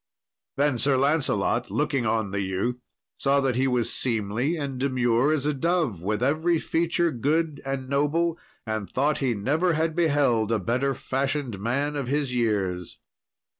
Then Sir Lancelot, looking on the youth, saw that he was seemly and demure as a dove, with every feature good and noble, and thought he never had beheld a better fashioned man of his years.